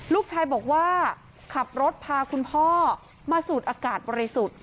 ลูกชายบอกว่าขับรถพาคุณพ่อมาสูดอากาศบริสุทธิ์